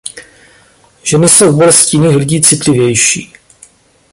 Ženy jsou k bolesti jiných lidí citlivější.